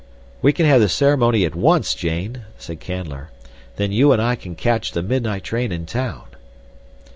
"We can have the ceremony at once, Jane," said Canler. "Then you and I can catch the midnight train in town."